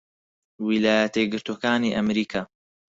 ویلایەتە یەکگرتووەکانی ئەمریکا